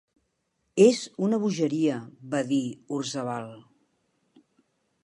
És una bogeria, va dir Orzabal.